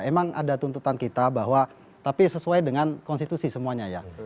emang ada tuntutan kita bahwa tapi sesuai dengan konstitusi semuanya ya